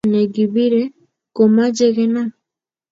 Mpiret ne kipire komache kenap